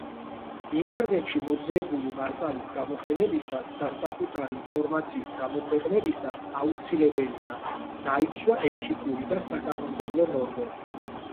ინტერნეტში მოძიებული მასალის გამოყენებისას და საკუთარი ინფორმაციის გამოქვეყნებისას აუცილებელია, დაიცვა ეთიკური და საკანონმდებლო ნორმები.